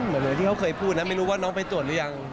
เหมือนที่เขาเคยพูดนะไม่รู้ว่าน้องไปตรวจหรือยัง